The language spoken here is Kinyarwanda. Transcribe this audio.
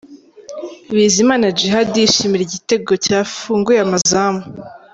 Bizimana Djihad yishimira igitego cyafunguye amazamu.